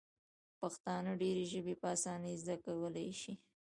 پښتانه ډیري ژبي په اسانۍ زده کولای سي.